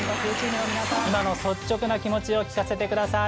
今の率直な気持ちを聞かせてください。